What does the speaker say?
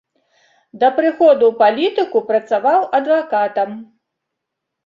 Да прыходу ў палітыку працаваў адвакатам.